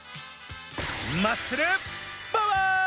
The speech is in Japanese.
マッスル・パワー！